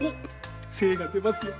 精が出ますよ。